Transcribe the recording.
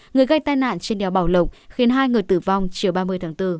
người gây tai nạn trên đèo bảo lộc khiến hai người tử vong chiều ba mươi tháng bốn